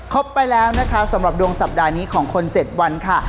ไปแล้วนะคะสำหรับดวงสัปดาห์นี้ของคน๗วันค่ะ